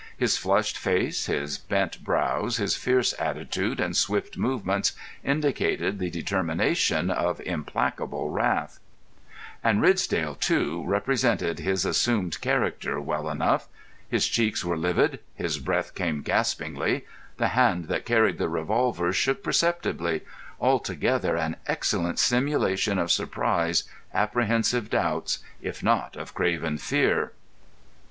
His flushed face, his bent brows, his fierce attitude and swift movements, indicated the determination of implacable wrath. [Illustration: "'The coward!' she wailed. 'The miserable coward!'" (page 49).] And Ridsdale, too, represented his assumed character well enough. His cheeks were livid, his breath came gaspingly, the hand that carried the revolver shook perceptibly—altogether an excellent simulation of surprise, apprehensive doubts, if not of craven fear.